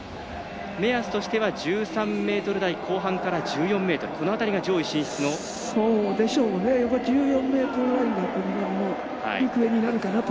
目安としては１３ｍ台後半から１４ｍの辺りが上位進出と。